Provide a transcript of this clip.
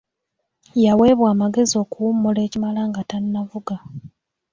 Yaweebwa amagezi okuwummula ekimala nga tannavuga.